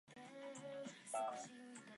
幹線道路に囲まれていて、騒音に苦しんでいる。